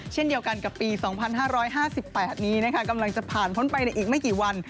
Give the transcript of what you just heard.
เช่นเดียวกันกับปี๒๕๕๘นี้กำลังจะผ่านพ้นไปในอีกไม่กี่วัน